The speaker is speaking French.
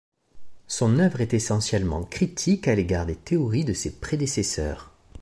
Son œuvre est essentiellement critique à l'égard des théories de ses prédécesseurs.